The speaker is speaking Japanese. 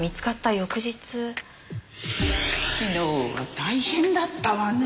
昨日は大変だったわねえ。